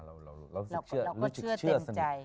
เราก็เชื่อเต็มใจ